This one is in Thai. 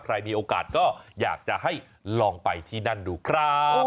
ใครมีโอกาสก็อยากจะให้ลองไปที่นั่นดูครับ